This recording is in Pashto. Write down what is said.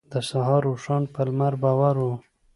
د سهار اوښان په لمر بار وو.